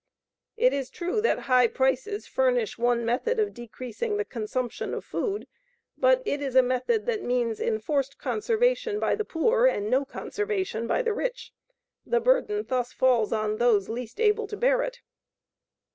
It is true that high prices furnish one method of decreasing the consumption of food, but it is a method that means enforced conservation by the poor and no conservation by the rich. The burden thus falls on those least able to bear it.